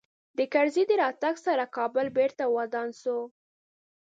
د کرزي د راتګ سره کابل بېرته ودان سو